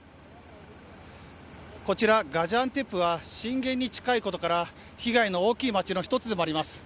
こちら、ガジアンテップは震源に近いことから被害の大きい街の一つでもあります。